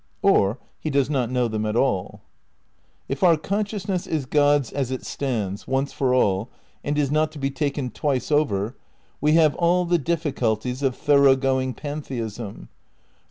Or he does not know them at aU. If our consciousness is God's as it stands, once for all, and is not to be taken twice over, we have all the difficulties of thorough going pantheism.